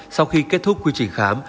sau khi kết thúc quy trình khám